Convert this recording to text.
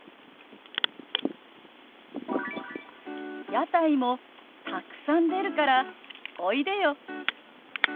「屋台もたくさん出るからおいでよ」。